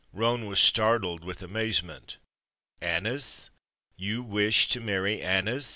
Roane was startled with amazement. "Aneth! You wish to marry Aneth?"